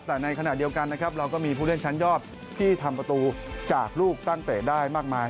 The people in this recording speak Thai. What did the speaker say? แต่ในขณะเดียวกันนะครับเราก็มีผู้เล่นชั้นยอดที่ทำประตูจากลูกตั้งเตะได้มากมาย